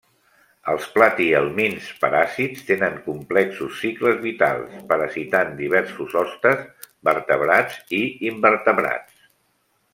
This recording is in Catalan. Els platihelmints paràsits tenen complexos cicles vitals, parasitant diversos hostes vertebrats i invertebrats.